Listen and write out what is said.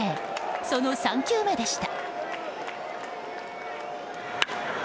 その３球目でした。